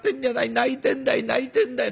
泣いてんだい泣いてんだよ。